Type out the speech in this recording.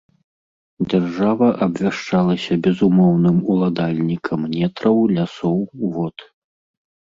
Дзяржава абвяшчалася безумоўным уладальнікам нетраў, лясоў, вод.